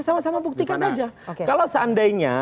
sama sama buktikan saja kalau seandainya